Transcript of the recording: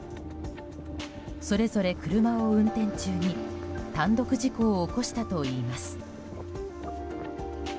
それぞれ車を運転中に単独事故を起こしたといいます。